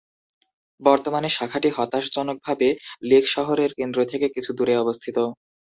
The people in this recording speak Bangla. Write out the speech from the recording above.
বর্তমানে শাখাটি হতাশজনকভাবে লীক শহরের কেন্দ্র থেকে কিছু দূরে অবস্থিত।